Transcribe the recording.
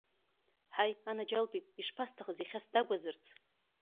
Ҳаи, анаџьалбеит, ишԥасҭахыз иахьа сдагәазарц!